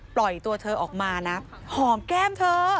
ปล่อยตัวเธอออกมานะหอมแก้มเธอ